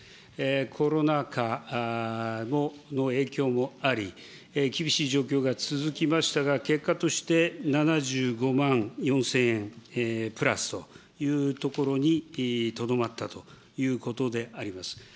コロナ禍の影響もあり、厳しい状況が続きましたが、結果として７５万４０００円プラスというところにとどまったということであります。